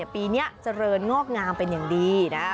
ปีนี้เจริญงอกงามเป็นอย่างดีนะ